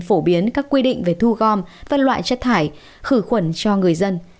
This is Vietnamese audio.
phổ biến các quy định về thu gom phân loại chất thải khử khuẩn cho người dân